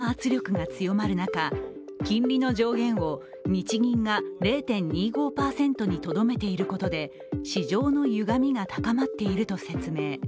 欧米の相次ぐ利上げで日本の長期金利にも上昇の圧力が強まる中金利の上限を日銀が０．２５％にとどめていることで市場のゆがみが高まっていると説明。